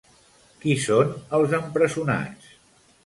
Qui són els empresonats?